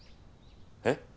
えっ？